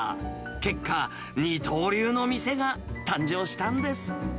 結果、二刀流の店が誕生したんです。